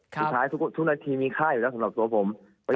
สุดท้ายทุกนาทีมีค่าอยู่แล้วสำหรับตัวผม